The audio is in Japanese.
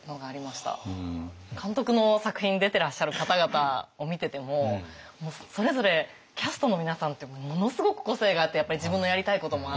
監督の作品に出てらっしゃる方々を見ててもそれぞれキャストの皆さんってものすごく個性があってやっぱり自分のやりたいこともあって。